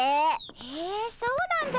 へえそうなんだ。